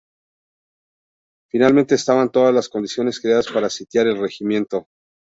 Finalmente estaban todas las condiciones creadas para sitiar el regimiento.